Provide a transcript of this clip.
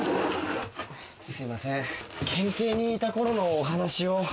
すいません県警にいた頃のお話を。